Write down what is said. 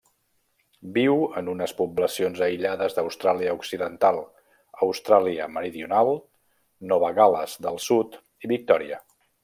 Viu en unes poblacions aïllades d'Austràlia Occidental, Austràlia Meridional, Nova Gal·les del Sud i Victòria.